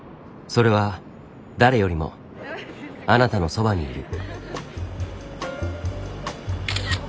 それは誰よりもあなたのそばにいる。